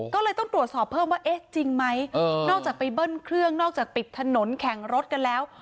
ก็เลยต้องตรวจสอบเพิ่มว่าเอ๊ะจริงไหมนอกจากไปเบิ้ลเครื่องนอกจากปิดถนนแข่งรถกันแล้ว